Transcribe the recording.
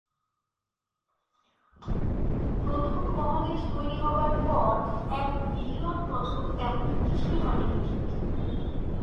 প্রথম মহাদেশ তৈরি হবার পর এক বিলিয়ন বছর তেমন কিছুই হয়নি পৃথিবীতে।